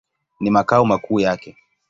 Ni makao makuu yake.